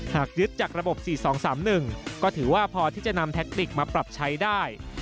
หากยึดจากระบบ๔๒๓๑ก็ถือว่าพอที่จะนำแท็กติกมาปรับใช้ได้